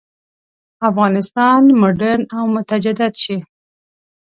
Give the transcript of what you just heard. افغانستان مډرن او متجدد شي.